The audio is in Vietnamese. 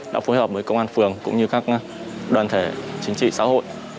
đã phối hợp với công an phường cũng như các đoàn thể chính trị xã hội